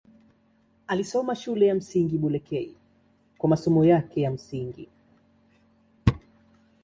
Alisoma Shule ya Msingi Bulekei kwa masomo yake ya msingi.